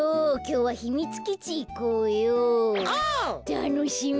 たのしみ。